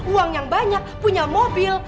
uang yang banyak punya mobil